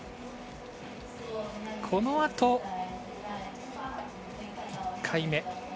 このあと、１回目。